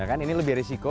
nah kan ini lebih risiko